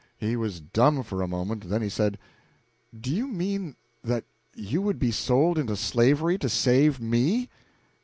He was dumb for a moment; then he said: "Do you mean that you would be sold into slavery to save me?"